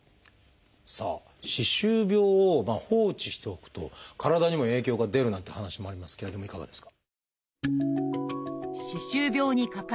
さあ歯周病を放置しておくと体にも影響が出るなんて話もありますけれどもいかがですか？